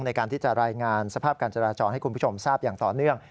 ในการที่จะรายงานสภาพการจราจรให้คุณผู้ชมทราบอย่างต่อเนื่อง